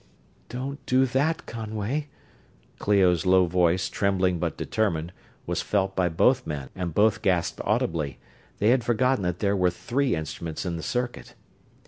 "Don't do that, Conway." Clio's low voice, trembling but determined, was felt by both men and both gasped audibly: they had forgotten that there were three instruments in the circuit.